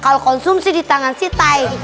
kalau konsumsi di tangan si tai